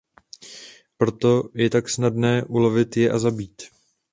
Proto je tak snadné ulovit je a zabít.